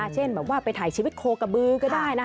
เช่นไปถ่ายชีวิตโคกะบื้อก็ได้นะ